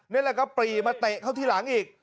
นี่แหละครับปรีมาเตะเข้าที่หลังอีก